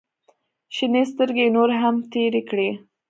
شنې سترګې يې نورې هم تېرې کړې.